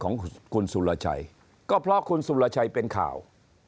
ของคุณสุรชัยก็เพราะคุณสุรชัยเป็นข่าว